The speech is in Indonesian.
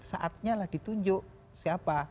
saatnya lah ditunjuk siapa